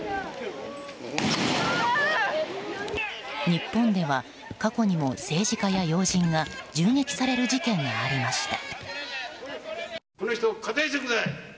日本では過去にも政治家や要人が銃撃される事件がありました。